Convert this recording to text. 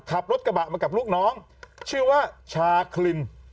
ขับรถกระบะมากับลูกน้องชื่อว่าชาคลิน